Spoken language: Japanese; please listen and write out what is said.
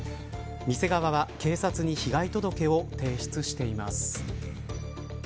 店側は警察に被害届を提出しています。